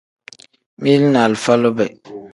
Mili ni alifa lube.